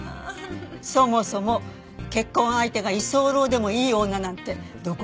そもそも結婚相手が居候でもいい女なんてどこにもいないから。